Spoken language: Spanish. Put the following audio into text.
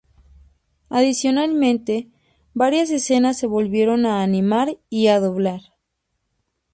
Adicionalmente, varias escenas se volvieron a animar y a doblar.